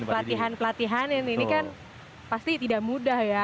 pelatihan pelatihan ini kan pasti tidak mudah ya